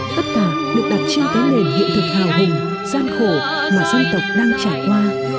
tất cả được đặt trên cái nền hiện thực hào hùng gian khổ mà dân tộc đang trải qua